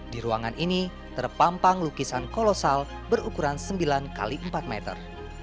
di ruangan ini terpampang lukisan kolosal berukuran sembilan x empat meter